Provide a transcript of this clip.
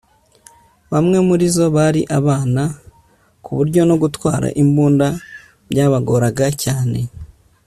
bamwe muri zo bari abana ku buryo no gutwara imbunda byabagoraga cyane